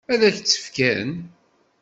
Ad k-tt-fken?